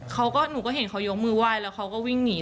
เขาก็หนูก็เห็นเขายกมือไหว้แล้วเขาก็วิ่งหนี